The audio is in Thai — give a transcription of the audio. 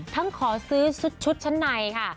ทั้งขอซื้อชุดชุดชั้นในค่ะ